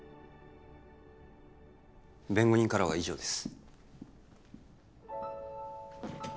弁護人からは以上です